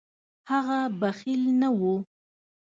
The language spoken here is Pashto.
هغه بخیل نه و.